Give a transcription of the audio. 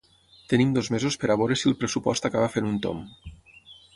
Tenim dos mesos per a veure si el pressupost acaba fent un tomb.